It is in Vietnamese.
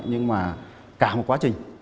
nhưng mà cả một quá trình